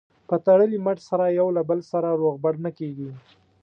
په تړلي مټ سره یو له بل سره روغبړ نه کېږي.